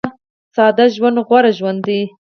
ساده ژوند غوره ژوند دی